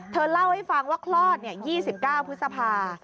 เธอเล่าให้ฟังว่าคลอด๒๙พฤษภา